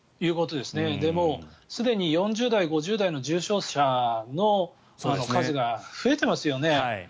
すでに４０代、５０代の重症者の数が増えていますよね。